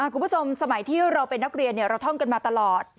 สมัยที่เราเป็นนักเรียนเราท่องกันมาตลอด